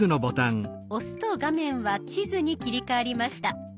押すと画面は地図に切り替わりました。